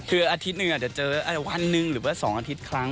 คืออาทิตย์หนึ่งอาจจะเจอวันหนึ่งหรือว่า๒อาทิตย์ครั้ง